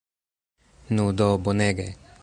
Nu do, bonege!